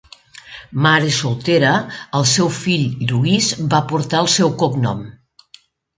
Mare soltera, el seu fill, Lluís, va portar el seu cognom.